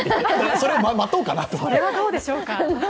それはどうでしょうか。